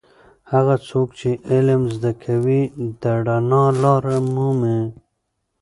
هغه څوک چې علم زده کوي د رڼا لاره مومي.